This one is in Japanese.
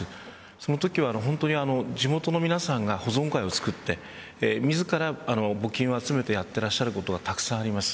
そのときは地元の皆さんが保存会を作って自ら募金を集めてやっていらっしゃることがたくさんあります。